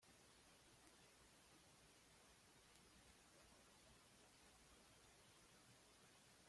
Especialistas de todo el mundo desarrollan semanalmente seminarios de investigación.